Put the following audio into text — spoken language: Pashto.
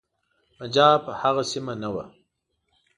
پنجاب هغه سیمه نه وه.